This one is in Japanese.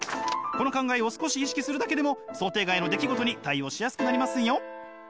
この考えを少し意識するだけでも想定外の出来事に対応しやすくなりますよ！